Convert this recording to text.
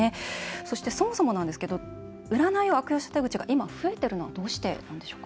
そして、そもそもなんですけど占いを悪用した手口が今、増えているのはどうしてなんでしょうか？